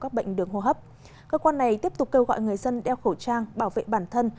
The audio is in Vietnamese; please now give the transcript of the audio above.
các bệnh đường hô hấp cơ quan này tiếp tục kêu gọi người dân đeo khẩu trang bảo vệ bản thân